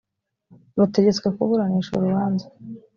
rutegetswe kuburanisha urubanza